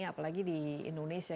apalagi di indonesia